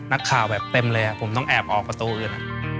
แบบเต็มเลยผมต้องแอบออกประตูอื่น